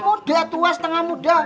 muda tua setengah muda